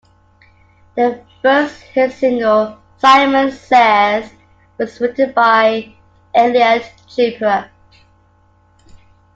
Their first hit single, "Simon Says", was written by Elliot Chiprut.